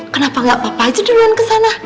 kenapa ga papa aja duluan kesana